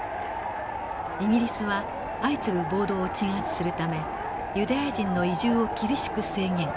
イギリスは相次ぐ暴動を鎮圧するためユダヤ人の移住を厳しく制限。